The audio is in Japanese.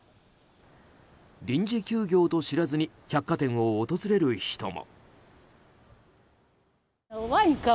臨時休業と知らずに百貨店を訪れる人も。